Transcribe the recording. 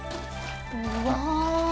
うわ。